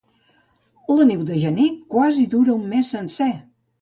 La neu de gener quasi dura un mes sencer.